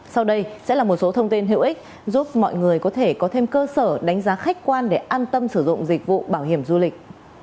sau đây sẽ là một số thông tin hữu ích giúp mọi người có thể có thêm cơ sở đánh giá khách quan để an tâm sử dụng dịch vụ bảo hiểm du lịch